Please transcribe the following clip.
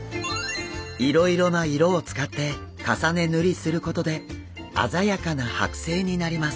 いろいろな色を使って重ね塗りすることで鮮やかなはく製になります。